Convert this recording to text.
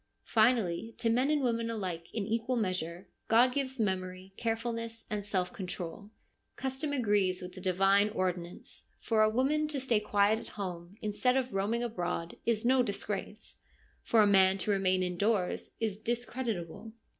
Finally, to men and women alike in equal measure, God gives memory, carefulness, and self control. Custom agrees with the divine ordinance. For a woman to stay quiet at home, instead of roaming abroad, THE SOCRATIC CIRCLE 147 is no disgrace : for a man to remain indoors is discreditable.